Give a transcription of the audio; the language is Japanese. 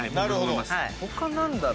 他何だろ？